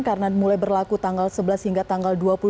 karena mulai berlaku tanggal sebelas hingga tanggal dua puluh lima